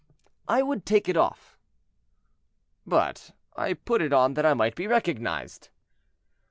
"I would take it off." "But I put it on that I might be recognized."